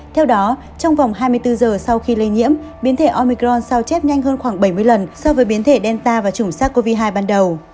theo đó trong vòng hai mươi bốn giờ sau khi lây nhiễm biến thể omicron sao chép nhanh hơn khoảng bảy mươi lần so với biến thể delta và chủng sars cov hai ban đầu